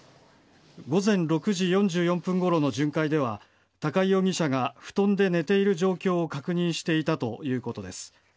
午前６時４４分ごろの巡回では高井容疑者が布団で寝ている状況を確認していたということです。